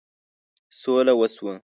سوله وشوه.